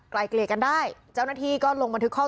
เกลี่ยกันได้เจ้าหน้าที่ก็ลงบันทึกข้อ